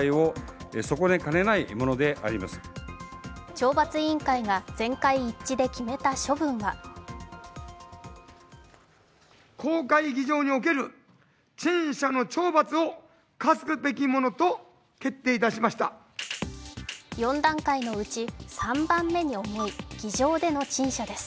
懲罰委員会が全会一致で決めた処分は４段階のうち３番目に重い議場での陳謝です。